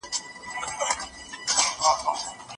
ماشومان په قانون پوهېږي.